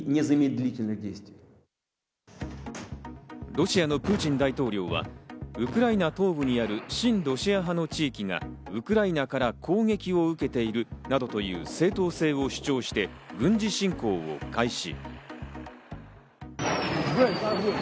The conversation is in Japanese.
ロシアのプーチン大統領は、ウクライナ東部にある親ロシア派の地域がウクライナから攻撃を受けているなどという正当性を主張して、軍事侵攻を開始。